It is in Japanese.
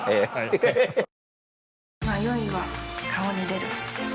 迷いは顔に出る。